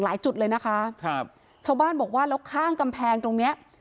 จุดเลยนะคะครับชาวบ้านบอกว่าแล้วข้างกำแพงตรงเนี้ย